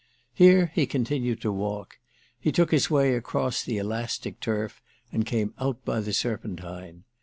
Here he continued to walk; he took his way across the elastic turf and came out by the Serpentine.